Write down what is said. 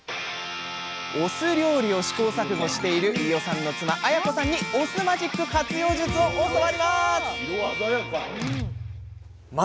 お酢料理を試行錯誤している飯尾さんの妻綾子さんにお酢マジック活用術を教わります